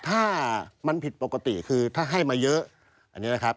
ถ้ามันผิดปกติคือถ้าให้มาเยอะอันนี้นะครับ